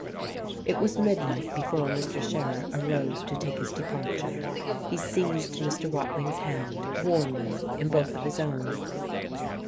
It was midnight before Mr. Scherer arose to take his departure. He seized Mr. Watling's hand, warmly, in both of his own.